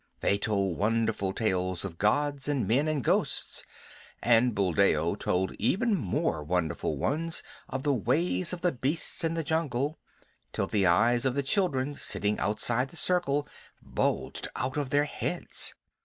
They told wonderful tales of gods and men and ghosts; and Buldeo told even more wonderful ones of the ways of beasts in the jungle, till the eyes of the children sitting outside the circle bulged out of their heads.